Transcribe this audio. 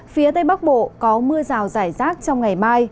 phía tây bắc bộ có mưa rào rải rác trong ngày mai